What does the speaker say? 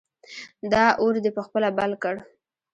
دا اور دې په خپله بل کړ!